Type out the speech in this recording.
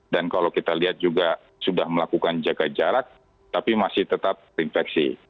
dan kalau kita lihat juga sudah melakukan jaga jarak tapi masih tetap infeksi